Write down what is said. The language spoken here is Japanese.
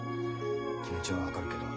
気持ちは分かるけど無理だ。